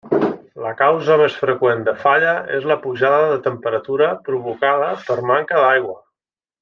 La causa més freqüent de falla és la pujada de temperatura provocada per manca d'aigua.